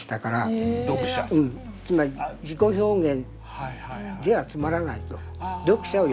つまり自己表現ではつまらないと。